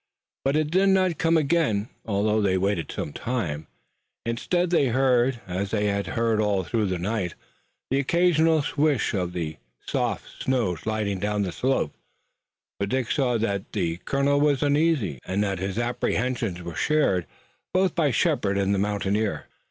But it did not come again, although they waited some time. Instead they heard, as they had heard all through the night, the occasional swish of the soft snow sliding down the slopes. But Dick saw that the colonel was uneasy, and that his apprehensions were shared both by Shepard and the mountaineer.